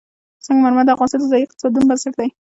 سنگ مرمر د افغانستان د ځایي اقتصادونو بنسټ دی.